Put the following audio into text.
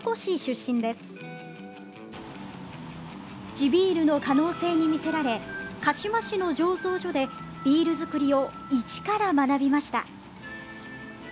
地ビールの可能性に魅せられ鹿嶋市の醸造所でビール造りを一から学びました。